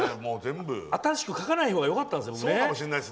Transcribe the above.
新しく書かない方がよかったんですね。